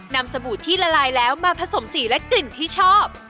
สบู่ที่ละลายแล้วมาผสมสีและกลิ่นที่ชอบ